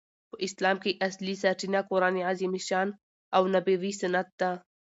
په اسلام کښي اصلي سرچینه قران عظیم الشان او نبوي سنت ده.